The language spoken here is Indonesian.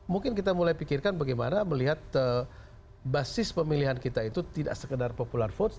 mungkin kita mulai pikirkan bagaimana melihat basis pemilihan kita itu tidak sekedar popular vote